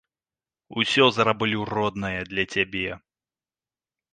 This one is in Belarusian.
Усё зраблю, родная, для цябе.